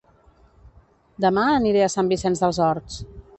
Dema aniré a Sant Vicenç dels Horts